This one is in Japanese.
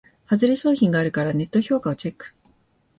ハズレ商品があるからネット評価をチェック